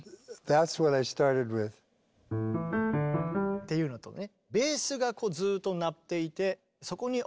っていうのとね。